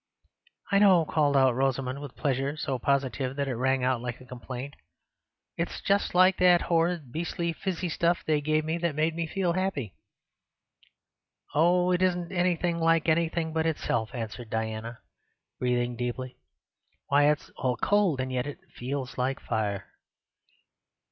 "I know," called out Rosamund, with a pleasure so positive that it rang out like a complaint. "It's just like that horrid, beastly fizzy stuff they gave me that made me feel happy." "Oh, it isn't like anything but itself!" answered Diana, breathing deeply. "Why, it's all cold, and yet it feels like fire."